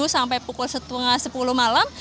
sampai pukul setengah sepuluh malam